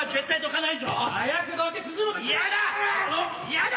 嫌だ！